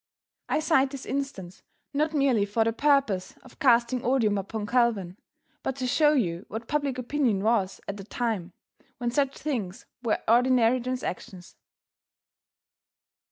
I cite this instance not merely for the purpose of casting odium upon Calvin, but to show you what public opinion was at that time, when such things were ordinary transactions.